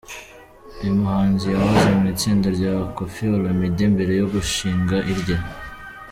Uyu muhanzi yahoze mu itsinda rya Kofi Olomide mbere yo gushing irye.